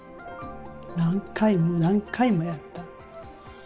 何回も何回もやった。